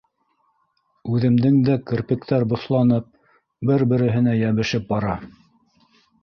Үҙемдең дә керпектәр боҫланып, бер-береһенә йәбешеп бара.